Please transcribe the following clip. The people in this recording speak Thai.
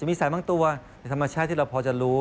มีสายบางตัวในธรรมชาติที่เราพอจะรู้